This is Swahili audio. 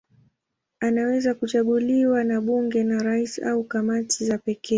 Anaweza kuchaguliwa na bunge, na rais au kamati za pekee.